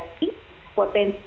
potensi yang kita harus mencari